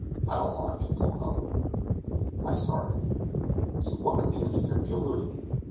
I don't want to be blown up." I started. To what could the engineer be alluding?